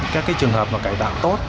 các trường hợp cải tạo tốt